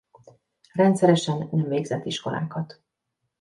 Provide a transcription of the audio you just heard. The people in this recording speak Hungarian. Rendszeresen nem végzett iskolákat.